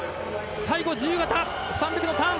最後、自由形３００ｍのターン。